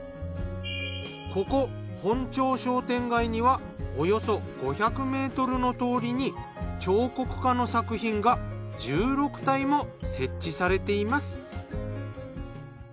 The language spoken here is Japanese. ここ本町商店街にはおよそ５００ｍの通りに彫刻家の作品が１６体も設置されています。